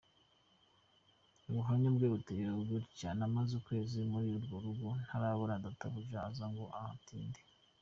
Ubuhamya bwe buteye butya: “Namaze ukwezi muri urwo rugo ntarabona databuja aza ngo ahatinde.